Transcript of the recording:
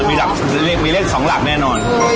มีเลขสองหลักแน่นอน